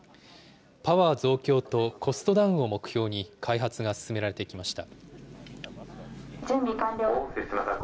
パワー増強とコストダウンを目標に開発が進められてきました。